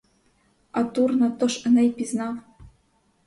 А Турна тож Еней пізнав;